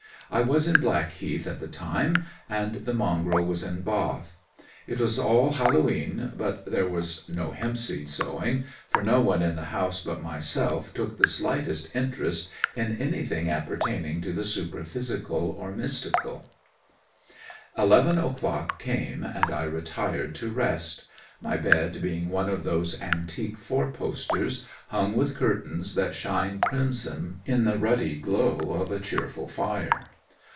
I was in Blackheath at the time, and the mongrel was in Bath. It was All Hallow E'en, but there was no hempseed sowing, for no one in the house but myself took the slightest interest in anything appertaining to the superphysical or mystic. Eleven o'clock came, and I retired to rest; my bed being one of those antique four posters, hung with curtains that shine crimson in the ruddy glow of a cheerful fire.